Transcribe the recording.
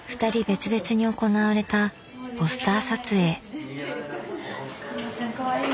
別々に行われたポスター撮影。